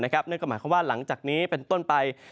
นั่นก็หมายความว่าหลังจากนี้เป็นต้นไป